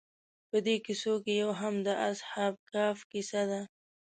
په دې کیسو کې یو هم د اصحاب کهف کیسه ده.